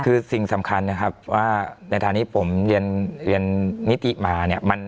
คือสิ่งสำคัญนะครับว่าในฐานที่ผมเรียนนิติมาเนี่ย